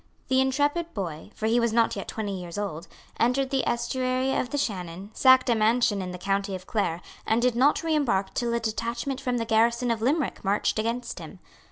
The intrepid boy, for he was not yet twenty years old, entered the estuary of the Shannon, sacked a mansion in the county of Clare, and did not reimbark till a detachment from the garrison of Limerick marched against him.